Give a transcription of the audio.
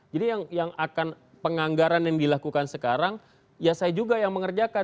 yang akan penganggaran yang dilakukan sekarang ya saya juga yang mengerjakan